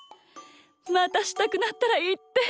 またしたくなったらいって！